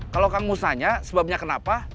kalau kang mus nanya sebabnya kenapa